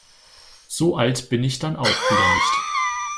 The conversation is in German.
So alt bin ich dann auch wieder nicht.